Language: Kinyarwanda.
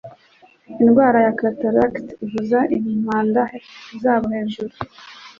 Indwara ya cataracte ivuza impanda zabo hejuru;